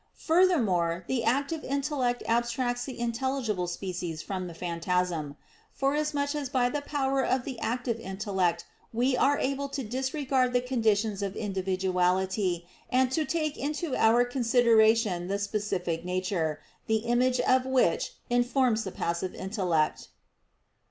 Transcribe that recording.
Furthermore, the active intellect abstracts the intelligible species from the phantasm, forasmuch as by the power of the active intellect we are able to disregard the conditions of individuality, and to take into our consideration the specific nature, the image of which informs the passive intellect.